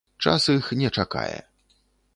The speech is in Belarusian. Час іх не чакае.